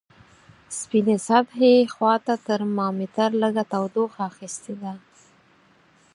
سپینې سطحې خواته ترمامتر لږه تودوخه اخستې ده.